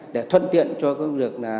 để thuận tiện cho công việc